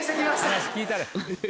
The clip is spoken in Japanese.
話聞いたれ。